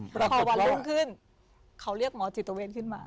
พอวันรุ่งขึ้นเขาเรียกหมอจิตเวทขึ้นมา